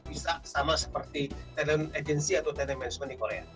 bisa sama seperti talent agency atau tele management di korea